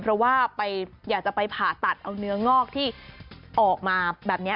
เพราะว่าอยากจะไปผ่าตัดเอาเนื้องอกที่ออกมาแบบนี้